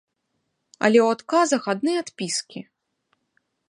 Але ў адказах адны адпіскі.